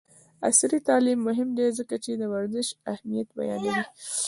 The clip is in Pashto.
عصري تعلیم مهم دی ځکه چې د ورزش اهمیت بیانوي.